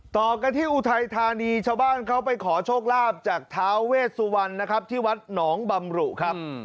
ต่อกันที่อุทัยธานีชาวบ้านเขาไปขอโชคลาภจากท้าเวชสุวรรณนะครับที่วัดหนองบำรุครับ